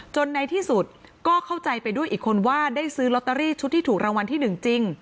ในที่สุดก็เข้าใจไปด้วยอีกคนว่าได้ซื้อลอตเตอรี่ชุดที่ถูกรางวัลที่๑จริง